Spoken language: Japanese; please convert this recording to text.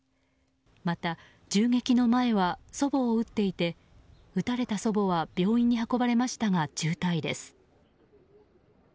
また、銃撃の前は祖母を撃っていて撃たれた祖母は病院に運ばれましたが、重体です。